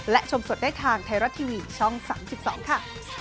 และชมสดได้ทางไทยรัฐทีวีช่อง๓๒ค่ะ